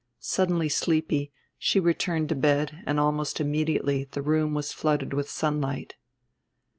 Suddenly sleepy she returned to bed and almost immediately the room was flooded with sunlight.